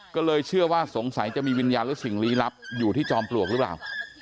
ก็เลยเชื่อว่าสงสัยจะมีวิญญาณหรือสิ่งลี้ลับอยู่ที่จอมปลวกหรือเปล่า